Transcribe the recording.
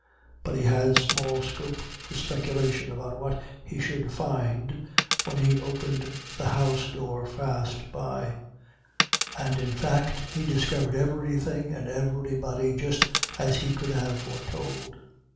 But he had small scope for speculation about what he should find when he opened the house door fast by; and in fact he discovered everything and everybody just as he could have foretold.